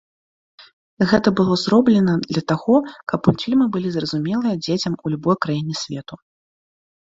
Гэта было зроблена для таго, каб мультфільмы былі зразумелыя дзецям у любой краіне свету.